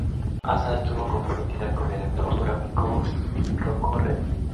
Asa estuvo comprometida con el actor pornográfico Rocco Reed.